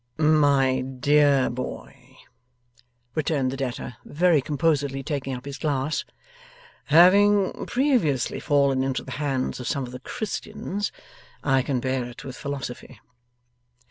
'My dear boy,' returned the debtor, very composedly taking up his glass, 'having previously fallen into the hands of some of the Christians, I can bear it with philosophy.